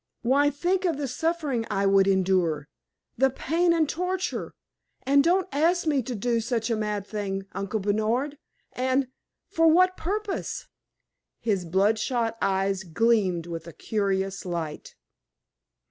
Why, think of the suffering I would endure the pain and torture, and don't ask me to do such a mad thing, Uncle Bernard! And for what purpose?" His bloodshot eyes gleamed with a curious light.